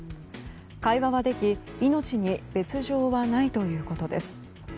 会話はでき命に別条はないということです。